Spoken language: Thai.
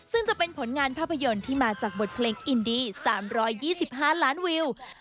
ซึ่งจะเป็นผลงานภาพยนตร์ที่มาจากบทเพลงอินดี๓๒๕ล้านวิว